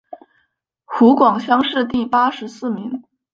湖广乡试第八十四名。